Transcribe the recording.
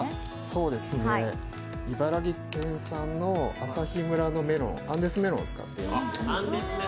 そうですね、茨城県産の旭村のアンデスメロンを使っています。